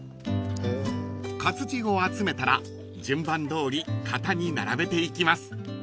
［活字を集めたら順番どおり型に並べていきます］